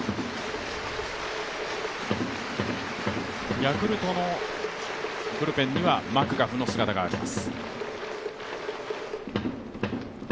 ヤクルトのブルペンにはマクガフの姿があります。